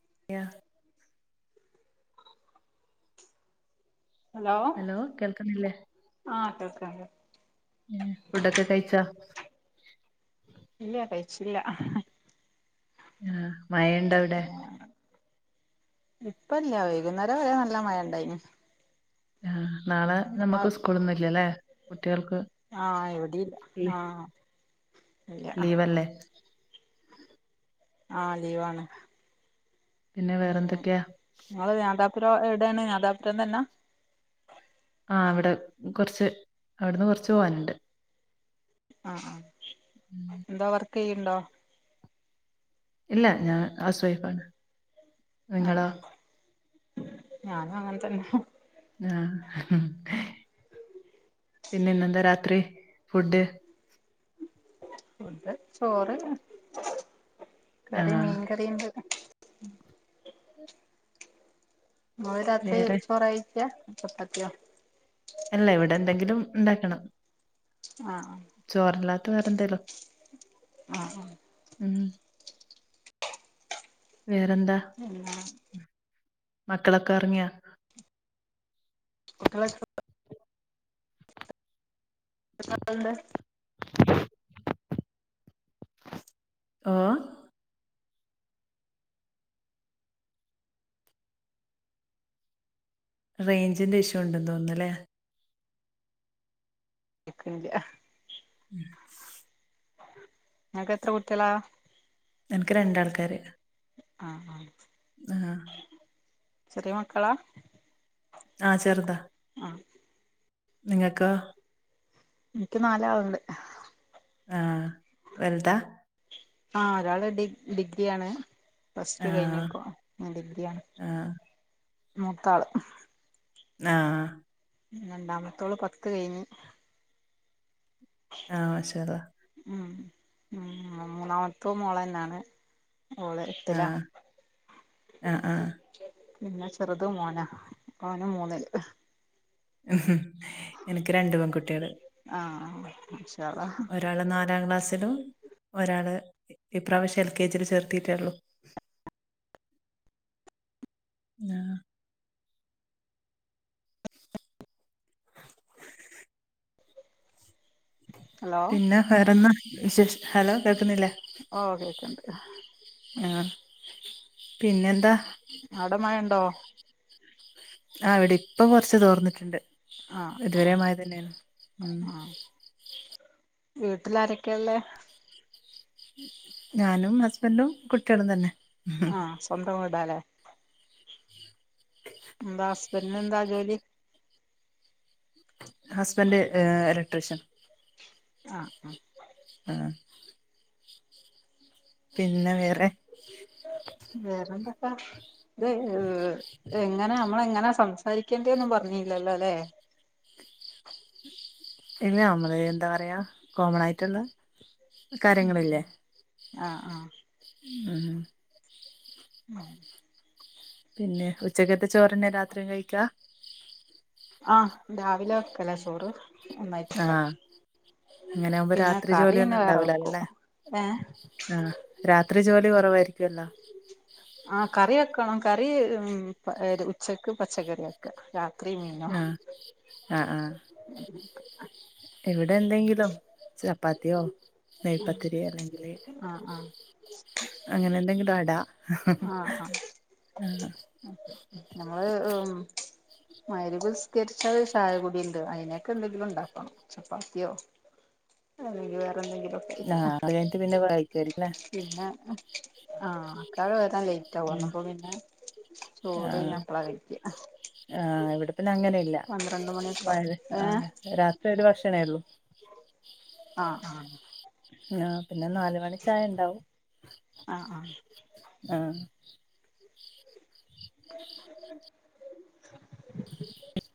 [unintelligible] Hello ആഹ് കേക്ക കേ ഏഹ് ഫുഡൊക്കെ കഴിച്ചാ ഇല്ല കഴിച്ചില്ല ആഹ് മയണ്ടവിടെ ഇപ്പല്ല വൈകുന്നേരം വരെ നല്ല മഴ ഇണ്ടായിന് ആഹ് നാളെ നമ്മുക്ക് സ്കൂളൊന്നും ഇല്ലല്ലേ കുട്ടികൾക്ക് ആഹ് എവിടെയില്ല ലീ ആഹ് ഇല്ല ലീവല്ലേ ആ് ലീവാണ് പിന്നെ [unintelligible] വേറെന്തൊക്കെയാ ത്ര എവിടെയാണ് [unintelligible] തന്നാ ആഹ് അവിടെ കുറച്ച് അവിടുന്ന് കുറച്ച് പോവാനുണ്ട് ആഹ് ആഹ് ഉം. കെയ്യ്ണ്ടൊ ഇല്ല ഞാൻ ഹൗസ് വൈഫാണ് ആഹ് നിങ്ങളോ? ആഹ് ഞാനും അങ്ങന തന്നെ ആഹ് പിന്നെ ഇന്നെന്താ രാത്രി ഫുഡ് ഫുഡ് ചോറ് കറി ആഹ് മീൻ കറിയുണ്ട് ഇങ്ങള് രാത്രി വേറെ ചോറാ കഴിക്കാ ചപ്പാത്തിയോ അല്ല ഇവിടെ എന്തെങ്കിലും ഉണ്ടാക്കണം ആഹ ചോറല്ലാത്ത വറെന്തേല്ലോ ആ ആ ഉ വേറെന്താ പിന്നെ മക്കളൊക്കെ ഇറങ്ങിയാ കുട്ടിയ [unintelligible] എണ്ട് ഓ റേഞ്ചിന്റെ ഇഷ് യൂ ഉണ്ട് തോന്നുന്നല്ലേ എിക്കില്ല ഉ [unintelligible] നക്ക് എത്ര കുട്ടലാ എനക്ക് രണ്ടാൾക്കാര് ആഹ ആഹ ആഹ ചെറിയ മക്കളാ ആഹ ചെറുതാ ആ നിങ്ങകൊ എനിക്ക് നാളാളുണ്ട് ആഹ വലുതാ ആ് ഒരാള് ഡി ഡിഗ്രിയാണ് ഫസ് ടു ആ കഴിഞ്കുനു ഇഞ്ഞു ഡിഗ്രിയ ആ മൂത്താള് ആഹ രണ്ടാമത്തോള് പത്ത് കഴിഞ്ഞ് ആഹ ശേതാ ഉം ഉം മൂന്നാമത്തോ മോളന്നാണ് ഓള് ആഹ എട്ടിലാണ് ആഹ ആഹ പിന്നെ ചെറുത് മോനാ ഓന മൂന്നില് ഉ എനിക്ക് രണ്ടു പെൺകുട്ടികള് ആ ഒരാള് നാലാം ക്ലാസ് ും ഒരാള് ഇപ്രാവശ്യം എൽ കെ ജി ചേർത്തിട്ടേള്ളു ആ ഹലോ പിന്നെ വേറെന്നാ വിശേഷ ഹലോ കേൾക്കുന്നില്ലേ ഓഹ് കേക്ക്ണ്ട് ആ പിന്നെെന്താ അട മഴ ഉണ്ടോ ആ ഇവിടെ ഇപ്പൊ കൊറച്ച് തോർന്നിട്ടുണ്ട് ആഹ് ആഹ് ഇതുവരമായ തന്നെയാണ് ഉ വീട്ടിലാരൊക്കെയള്ളേ ഞാനും ഹസ്ബൻടും കുട്ടികളും തന്നെ ഉം. ആഹ സ്വന്തം വീടാലേ പിന്നെന്താ ജോലി ഹസ്ബന്ഡ് ഏ ഇലക്ട്രീഷ്യൻ ആഹ ആഹ ആ പിന്നെ വേറെ ഇത എങ്ങനെ നമ്മള എങ്ങനെ സംസാരിക്കണ്ടി ഒന്നും പറഞ്ഞില്ലല്ലോ അല്ലേ ഇല്ല അമ്മള് എന്താ പറയാ കോമൺ ആയിട്ടുള്ള കാര്യങ്ങളില്ലേ ആഹ് ആഹ് ഉം പിന്നെ ഉച്ചക്കത്തെ ചോറന്നെ രാത്രിയും കഴിക്കാ ആഹ് രാവിലെ വെക്കലാ ചോറ് ഒന്നായിട്ട് വെക്കല അങ്ങനെയാവുമ്പോ പിന്നെ രാത്രി കറി പിന്നെ ജോലിയൊന്നും വേറെ ഉണ്ടാവൂല വെക്കും അല്ലല്ലേ ഏഹ് ആഹ് രാത്രി ജോലി [unintelligible] ആഹ് കറി വെക്കണം കറി പ ഉച്ചക്ക് പച്ചക്കറി വക്കെ രാ ആഹ് ആഹ് ആഹ് [unintelligible] ഇവിടെ എന്തെങ്കിലും ചപ്പാത്തിയോ നെയ്പത്തിരി അല്ലെങ്കില് ആഹ് ആഹ് അങ്ങനെ എന്തെങ്കിലും അട ആഹ് ആഹ് ആഹ് നമ്മള് മഗ്‌രിബ് നിസ്കരിച്ചത് ചായ കുടി ഇണ്ട് അയിന തക്ക എന്തെങ്കിലും ഉണ്ടാക്കണം ചപ്പാത്തിയോ അല്ലെങ്കി വേറെ എന്തെങ്കിലും ഒക്കെ ആഹ് പിന്ന അത് കഴിഞ്ഞിട്ട് പിന്നെ വായിക്കുവായിരിക്കും ല്ലേ പിന്ന ആഹ് ആക്കാര് വരു [unintelligible] ലേറ്റാവും എന്നാപ്പൊ പിന്നെ ചോറ് ആഹ് പിന്നെ അപ്പളാ കഴിക്ക ആഹ് ഇവിടെ പിന്നെ അങ്ങനെ ഇല്ല പന്ത്രണ്ട് മണിയൊക്കെ വ ആവും ആ ഏഹ് രാത്രി ഒരു ഭക്ഷണേയുള്ളൂ ആഹ് ആഹ് ആ പിന്നെ നാല് മണി ചായ ഇണ്ടാവും ആഹ് ആഹ് ആഹ് ഇക് [inaudible]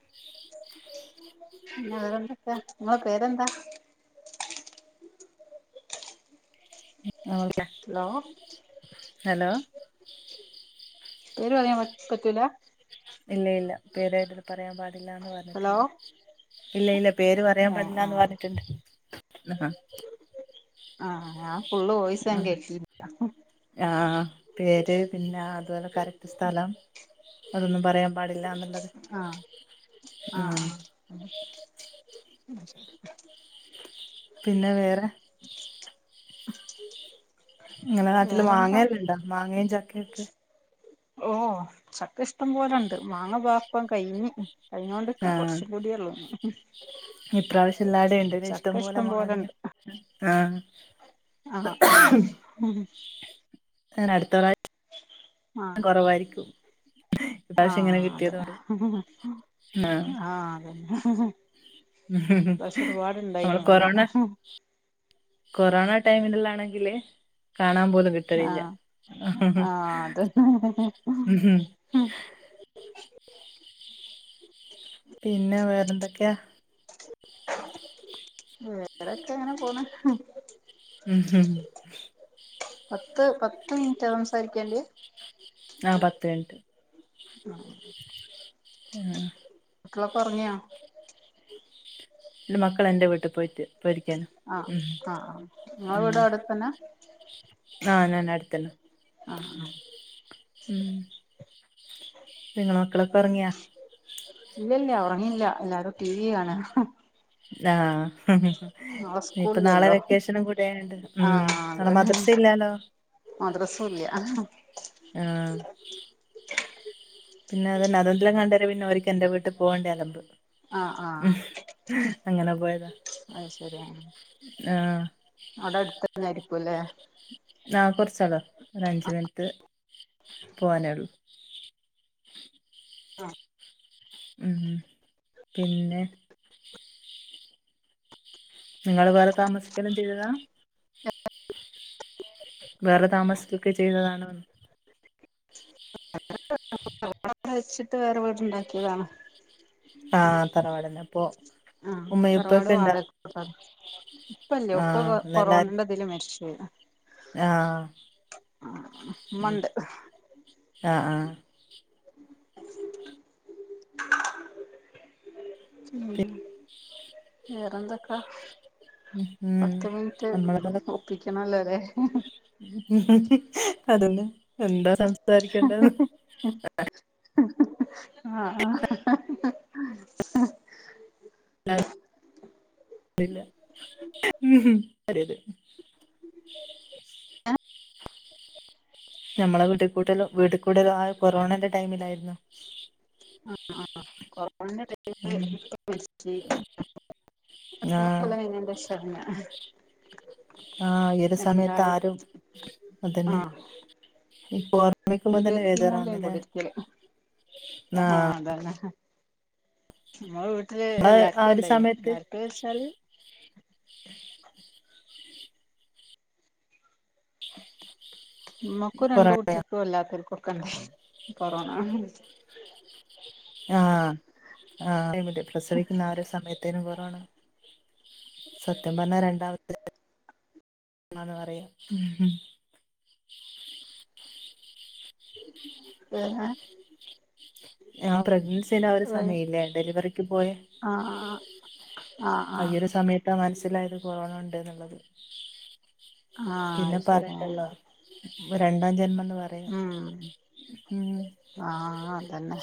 പിന്നെ വേറെന്തൊക്കാ നിങ്ങളെ പേരെന്താ ഹലോ [unintelligible] ഹലോ പേര് പറയാൻ പറ്റൂല ഇല്ല ഇല്ല പേരത് പറയാൻ പാടി - ഇല്ലാന്ന് ഹലോ പറഞ്ഞിട്ടുണ്ട് ഇല്ല ഇല്ല പേര് പറയാൻ ഏഹ് പറ്റില്ലാന്ന് ആഹ് പറഞ്ഞിട്ടുണ്ട് ആഹ് ആഹ് ഞാൻ ഫുള്ള് വോയിസ് ഞാൻ ആഹ് കേട്ട് - ആഹ് പേര് പിന്നെ അതുപോലെ കറക്റ്റ് സ്ഥലം അതൊന്നും പറയാൻ- പാടില്ലാന്നുള്ളത് ആഹ് ആഹ് ഉ ശരി [unintelligible] പിന്നെ വേറെ ഉ [inaudible] നിങ്ങടെ നാട്ടില് മാങ്ങല്ലാം ഇണ്ടോ മാങ്ങയും ചക്കയൊക്കെ ഓഹ് ചക്ക ഇഷ്ടം പോലെയോണ്ട് മാങ്ങ ദാ ഇപ്പൊ കഴിഞ്ഞ് കഴിഞ്ഞോണ്ട് നിക്കണ്ണ് ആഹ് കൊറച്ചുംകൂടിയേ ഉള്ളൂ ചല്ലാടെ ഉണ്ട്ല്ല ഇഷ്ടംപോലെ മുോളന ആ [unintelligible] ആഹ് ആഹ് അങ്ങനെ അടുത്ത പ്ര- ആഹ് കൊറവായിരിക്കും ആഹ് അതെ ആഹ് അതെ ഇ പ്രാവശ്യം ഒരുപാട്ണ്ടായിനി നമ്മള് മാങ്ങാ കൊറോണ കൊറോണ ടൈമില് ഇല്ലാണെങ്കില് കാണാൻ പോലും കിട്ടലില്ല ആഹ് ആഹ് അത് ഉം [inaudible] പിന്നെ വേറെന്തൊക്കെയാ വേറെൊക്കെ ഇങ്ങനെ പോണ് പത്ത് പത്ത് മിൻറ്റാ സംസാരിക്കേണ്ട്യെ ആ പത്ത് മിൻറ്റ് ഹ് മക്കളൊക്കെ ഒറങ്ങ്യൊ ഇല് മക്കൾ എൻെ വീട്ടി പോയിട്ട് പോയിരിക്കാണ് ആഹ് ഉം ആഹ് നി ഉം വീട് അവിടെത്തന്നെ ആഹ് ഞാന് അടുത്തെന്നെ ആഹ് ആഹ് ഉം ഇങ്ങളെ മക്കളൊക്കെ ഒറങ്ങിയാ ഇല്ലല്ല്യ ഒറങ്ങില്ല എല്ലാരും ടി വി കാണ ലാ ആഹ് ഇപ്പൊ നാളെ സ്കൂളില്ലല്ലോ വെക്കേഷനും കൂടെ ഇണ്ട് ഉം നാളെ മദർസയില്ലേലോ മദ്രസൂല്ല [inaudible] ആഹ് പിന്നെ അത് നദന്തലം [unintelligible] കണ്ടെര പിന്നെ അവർക്ക് എന്റെ വീട്ടി പോകെണ്ട അലമ്പ് അഹ് ആഹ് അങ്ങനെ പോയതാ അഹ് ശെരി ആഹ് ആഹ് ഔടെ അട്ത്തന്നെ ആയിരിക്കുലേ ആഹ് കൊറ്ചൊള്ളു ഒരഞ്ച് മിൻറ്റ് പോവാനേള്ളു ആഹ് ഉം പിന്നെ നിങ്ങള് വേറെ താമസിക്കലും ചെയ്തതാ [unintelligible] വേറെ താമസിക്കൊക്കെ ചെയ്തതാണോന്ന് ടെ വെച്ചിട്ട് വേറെ വീട് ഇണ്ടാക്കിയതാണ് ആഹ് തറവാടന്നെ അപ്പൊ ആഹ് ഉമ്മയും തറവാട് ഉപ്പയൊക്കെ ഇണ്ടാ വാടകക്ക് കൊട്ത്താണ് ഇപ്പല്യ ഇപ്പ കൊ ആഹ് എല്ലാരും കൊറോണണ്ടതില് മരിച്ച് പോയി ആഹ് ആഹ് ഉം ഇമന്ത് ആഹ് ആഹ് ഉ വേറെന്തൊക്ക പിന്നെ ഉം പത്ത് മിൻറ്റ് നമ്മളെ പോലെ ഒപ്പിക്കണല്ലോല്ലേ അതന്നെ എന്താ സംസാരിക്കേണ്ടന്ന് [inaudible] [inaudible] ആഹ് [unintelligible] [unintelligible] ഞമ്മളെ വീട്ടിക്കൂട്ടലും വീട്ട കൂടലോ ആ കൊറോണേന്റെ ടൈമിലായിര്ന്നു [unintelligible] ആഹ ആഹ് കൊറോണന്റെ ടൈ മ് ല് ഉം ഇപ്പ മര്ച്ച് [unintelligible] അ ആഹ് കൊല്ലം കഴ്ഞ്ഞേന്റ [unintelligible] ആഹ് ഏതു സമയത്ത് ആരും അതന്നെ ആഹ് ഇപ്പൊ [unintelligible] വൈക്കുമ്പ തന്നെ ഇരുപത്തി മൂന്നിലേനി വേജാറാവുന്ന്ലെ കുടിര്ക്കല് ന്നാ ആഹ് അതാണ് നമ്മളെ വീട്ടില് നമ്മള് ആ എല്ലാർക്കും ഒരു ഇണ്ടായ സമയത്ത് എല്ലാർക്കും വച്ചാല് ഇമ്മക്കും രണ്ട് കൊറോണയാ കുട്ട്യേക്കും അല്ലാത്തർക്കൊക്കെ ഇണ്ടായി നി കൊറോണ ആഹ് ആഹ് അഹ് പ്രസവിക്കുന്ന ആഹ് ഒരു സമയത്തേനും പോ ആണ് സത്യം പറ്ഞ്ഞാ രണ്ടാമത്തെ ആന്ന് പറയും ഉം ഉം [inaudible] ആ പ്രഗ്നൻസിടെ ആ ഒരു സമയഇല്ലേ ഡെലിവറിക്ക് പോയ ആഹ് ആഹ് ആഹ് ആ ആഹ് ഇയൊരു സമയത്താ മനസ്സിലായത് കൊറോണ ഉണ്ട് എന്നുള്ളത് ആഹ് പിന്നെ അത് ശരി പറയണ്ടല്ലോഇത് രണ്ടാം ജൻന്മ പറയാം ഉം ഉം ആതന്നെ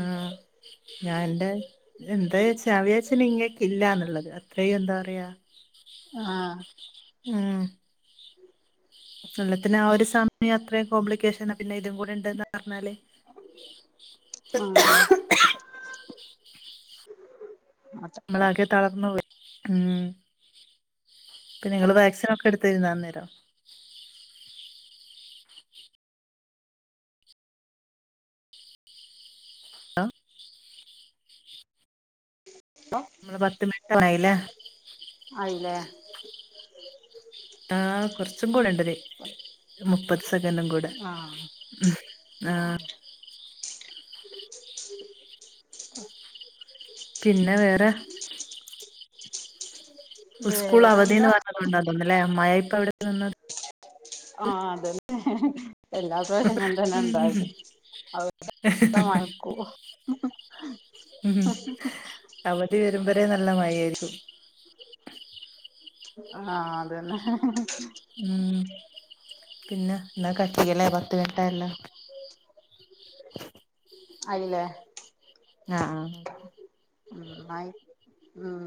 ആഹ് ഞാൻ എന്റെ ഇത് എന്താച്ചാ ഞാൻ വിച്ചരിചില്ല ഇങ്ങ ഇല്ലന്നുള്ളത് അത്രയും എന്താ പറയാ ആഹ് ആഹ വെള്ളത്തിന് ആ ഒരു സമയം അത്ര കോംപ്ലിക്കേഷൻ പിന്നെ ഇതും കൂടെ ഇണ്ടന്ന് പറഞ്ഞാല് ആഹ് [unintelligible] അതെ നമ്മളാകെ തളർന്ന പോയി ഉം പി നിങ്ങള് വാക്സിൻ ഒക്കെ എടുത്തിർന്നോ അന്നേരം ആ നമ്മള് പത്ത് മിനിട്ട ആായില്ലേ അയില്ലേ ആ് കുറച്ചും കൂടെ ഉണ്ടത് മുപ്പത് സെകേണ്ട്കൂടെ ആഹ് മ്മ് ആ ആ പിന്നെ വേറെ സ്കൂൾ അവധിന്ന് വേറെന്താ പറഞ്ഞത് കൊണ്ട തന്നല്ലേ അ മ്ായ ഇപ്പ എവിടെ നിന്നത് ആഹ അതെനെ എല്ലാ പ്രവിശ്യം ഇങ്ങനെ തന്നെ ഉം ഇണ്ടാകല് [unintelligible] ഉം അവധി വരുംമ്പരേ നല്ല മഴ ആയിരിക്കും ആഹ അതന്നെ ഉം പിന്നെ എന്നാ കട്ടിക്കല്ലേ പത്ത് മിനിട്ടായല്ല [unintelligible] അയില്ലേ ആഹ ആഹ ഉ ആായ ഉം